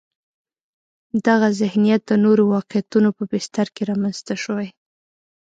دغه ذهنیت د نورو واقعیتونو په بستر کې رامنځته شوی.